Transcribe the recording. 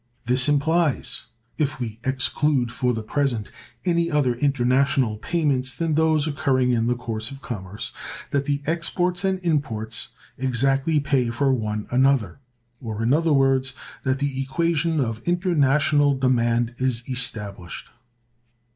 ] This implies (if we exclude for the present any other international payments than those occurring in the course of commerce) that the exports and imports exactly pay for one another, or, in other words, that the equation of international demand is established.